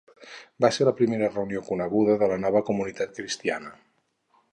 Va ser la primera reunió coneguda de la nova comunitat cristiana.